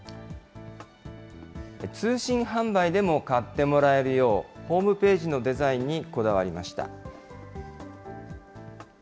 通信販売でも買ってもらえるよう、ホームページのデザインにこだわりました。